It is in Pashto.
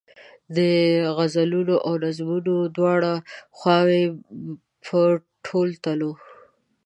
د غزلونو او نظمونو دواړه خواوې په تول تلو.